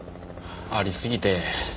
ありすぎて。